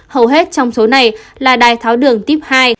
hầu hết trong số này là đai tháo đường tiếp hai